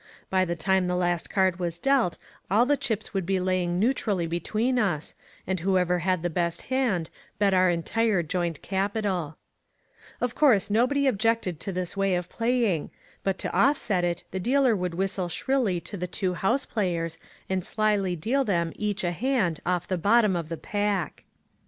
By the time the last card was dealt all the chips would be laying neutrally between us, and whoever had the best hand bet our entire joint capitaL Of course nobody objected to tins way of playing, but to offset it the dealer would whistle shrilly to the two house players and slyly deal them each a hand off the bottom of the pack.